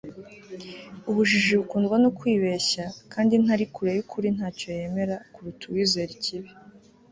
ubujiji bukundwa no kwibeshya; kandi ntari kure y'ukuri ntacyo yemera, kuruta uwizera ikibi